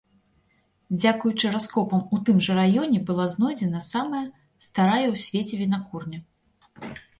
Дзякуючы раскопам у тым жа раёне была знойдзена самая старая ў свеце вінакурня.